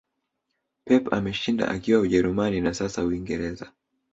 pep ameshindwa akiwa ujerumani na sasa uingereza